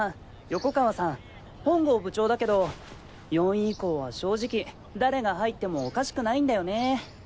横川さん本郷部長だけど４位以降は正直誰が入ってもおかしくないんだよね。